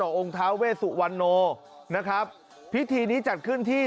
ต่อองท้าเวสุวัณโนะครับพิธีนี้จัดขึ้นที่